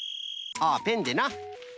ああペンでな。